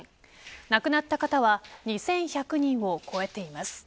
亡くなった方は２１００人を超えています。